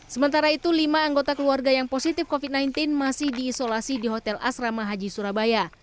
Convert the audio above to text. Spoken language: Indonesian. sementara itu lima anggota keluarga yang positif covid sembilan belas masih diisolasi di hotel asrama haji surabaya